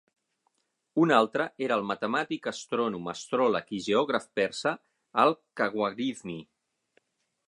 Un altre era el matemàtic, astrònom, astròleg i geògraf persa Al Khwarizmi.